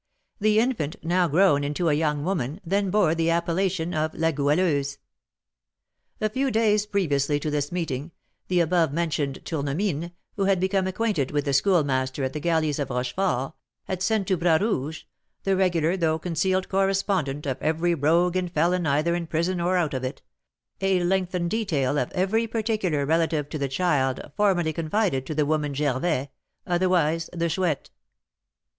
The infant, now grown into a young woman, then bore the appellation of La Goualeuse. "A few days previously to this meeting, the above mentioned Tournemine, who had become acquainted with the Schoolmaster at the galleys of Rochefort, had sent to Bras Rouge (the regular, though concealed correspondent of every rogue and felon either in prison or out of it) a lengthened detail of every particular relative to the child formerly confided to the woman Gervais, otherwise the Chouette.